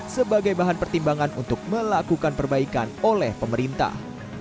sebagai bahan pertimbangan untuk melakukan perbaikan oleh pemerintah